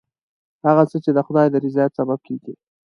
هغه څه چې د خدای د رضایت سبب کېږي.